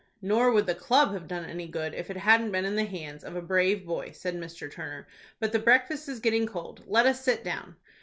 "Nor would the club have done any good, if it hadn't been in the hands of a brave boy," said Mr. Turner. "But the breakfast is getting cold. Let us sit down."